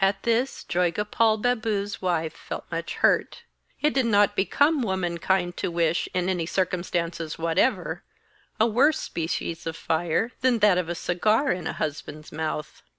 At this Joygopal Babu's wife felt much hurt; it did not become womankind to wish, in any circumstances whatever, a worse species of fire than that of a cigar in a husband's mouth.